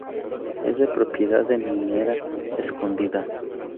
Es de propiedad de Minera Escondida.